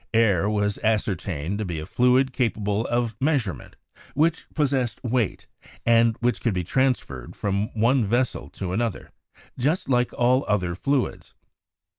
Air was ascertained to be a fluid capable of measurement, which possessed weight, and which could be transferred from one vessel to another, just like all other fluids.